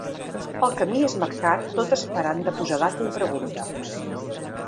El camí és marcat tot esperant de posar data i pregunta.